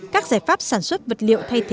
các giải pháp sản xuất vật liệu thay thế